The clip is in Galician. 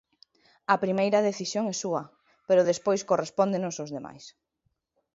A primeira decisión é súa, pero despois correspóndenos aos demais.